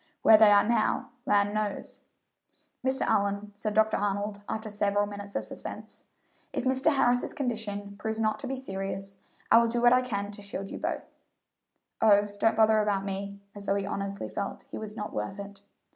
Where they are now, land knows!" "Mr. Allyn," said Dr. Arnold, after several minutes of suspense, "if Mr. Harris's condition proves not to be serious I will do what I can to shield you both." "Oh, don't bother about me," as though he honestly felt he was not worth it.